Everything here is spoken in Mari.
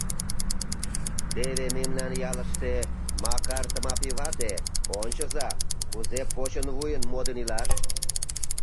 Теве мемнан ялыште Макар Тмапий вате ончыза кузе почын-вуйын модын ила!